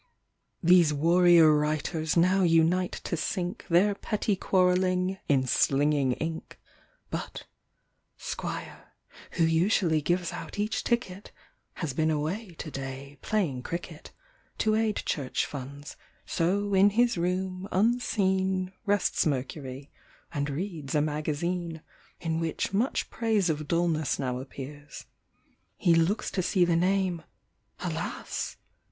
These warrior writers now unite to sink Their petty quarrelling in slinging ink. But, Squire, who usually gives out each ticket, Has been away to day playing crickei To aid Church funds; so, in liis room, unseen, Rests Mercury, and reads a magazine In which much praise of Dullness now appears. He looks to see the name, alas